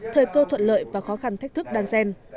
thời cơ thuận lợi và khó khăn thách thức đan xen